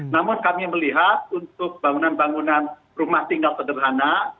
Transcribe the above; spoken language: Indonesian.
namun kami melihat untuk bangunan bangunan rumah tinggal sederhana